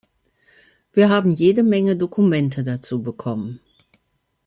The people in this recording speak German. Wir haben jede Menge Dokumente dazu bekommen.